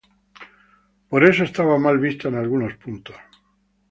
Por eso estaba mal visto en algunos puntos.